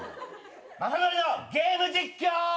雅紀のゲーム実況！